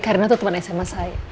kak rina tuh teman sma saya